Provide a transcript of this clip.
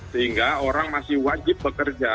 sehingga orang masih wajib bekerja